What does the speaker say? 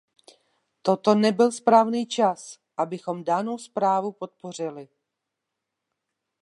Toto nebyl správný čas, abychom danou zprávu podpořili.